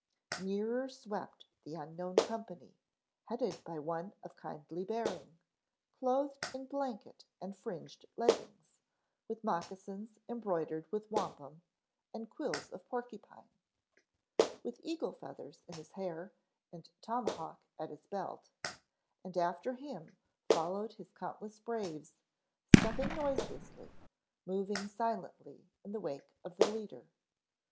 Nearer swept the unknown company, headed by one of kindly bearing, clothed in blanket and fringed leggings, with moccasins embroidered with wampum and quills of porcupine, with eagle feathers in his hair and tomahawk at his belt, and after him followed his countless braves, stepping noiselessly, moving silently in the wake of the leader.